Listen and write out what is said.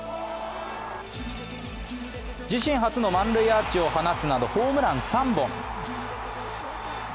自身初の満塁アーチを放つなどホームラン３本。